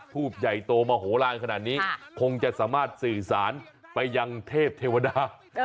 ทูบใหญ่โตมโหลานขนาดนี้คงจะสามารถสื่อสารไปยังเทพเทวดา